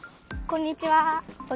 こんにちは。